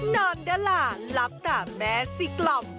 นอนดะลาลับต่อแม้ซิกลอม